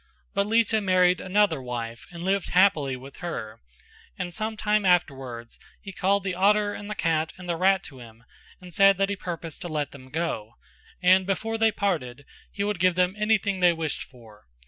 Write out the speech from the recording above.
But Lita married another wife and lived happily with her. And some time afterwards he called the otter and the cat and the rat to him and said that he purposed to let them go and before they parted he would give them anything they wished for.